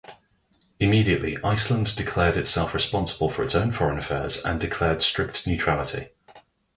Immediately, Iceland declared itself responsible for its own foreign affairs, and declared strict neutrality.